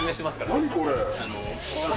何これ？